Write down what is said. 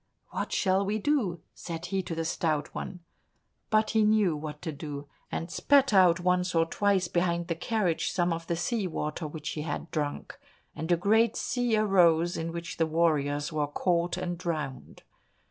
"What shall we do?" said he to the Stout One. But he knew what to do, and spat out once or twice behind the carriage some of the sea water which he had drunk, and a great sea arose in which the warriors were caught and drowned.